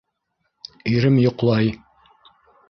Ирем йоҡлай.